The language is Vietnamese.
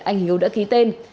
anh hiếu đã ký tên